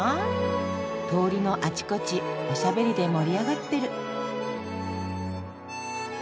通りのあちこちおしゃべりで盛り上がってる。